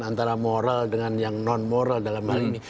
antara moral dengan yang non moral dalam hal ini